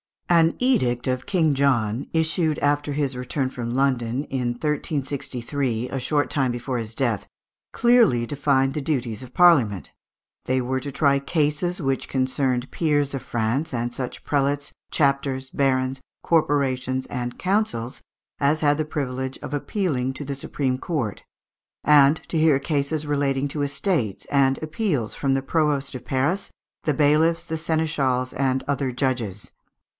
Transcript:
An edict of King John, issued after his return from London in 1363, a short time before his death, clearly defined the duties of Parliament. They were to try cases which concerned peers of France, and such prelates, chapters, barons, corporations, and councils as had the privilege of appealing to the supreme court; and to hear cases relating to estates, and appeals from the provost of Paris, the bailiffs, seneschals, and other judges (Fig.